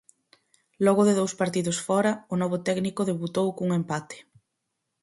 Logo de dous partidos fóra, o novo técnico debutou cun empate.